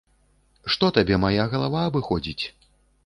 Што табе мая галава абыходзіць?!